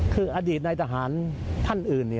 คืออดีตในทหารท่านอื่น